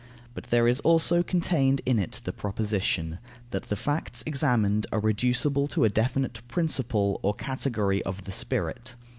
But there is also contained in it the proposition: that the facts examined are reducible to a definite principle or category of the spirit.